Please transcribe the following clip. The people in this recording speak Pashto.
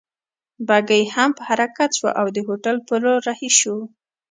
بګۍ هم په حرکت شوه او د هوټل په لور رهي شوو.